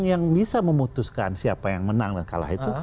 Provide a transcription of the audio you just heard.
yang bisa memutuskan siapa yang menang dan kalah itu